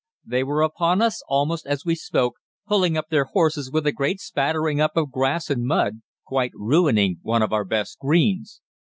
"They were upon us almost as he spoke, pulling up their horses with a great spattering up of grass and mud, quite ruining one of our best greens.